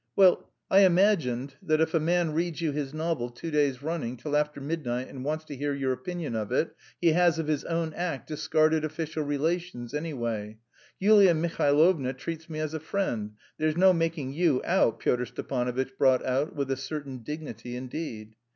"Well, I imagined that if a man reads you his novel two days running till after midnight and wants to hear your opinion of it, he has of his own act discarded official relations, anyway.... Yulia Mihailovna treats me as a friend; there's no making you out," Pyotr Stepanovitch brought out, with a certain dignity indeed.